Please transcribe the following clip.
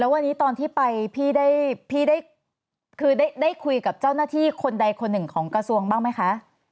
วันนี้ตอนที่ไปพี่ได้คือได้คุยกับเจ้าหน้าที่คนใดคนหนึ่งของกระทรวงบ้างไหมคะ